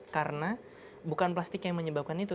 karena bukan plastik yang menyebabkan itu